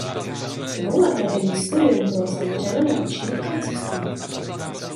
Dvouleté denní studium bylo zaměřeno na ruční tkalcovství.